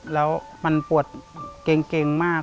แล้วมันปวดเก่งมาก